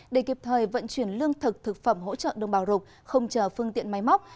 để kịp thời vận chuyển lương thực thực phẩm hỗ trợ đồng bào rục không chờ phương tiện máy móc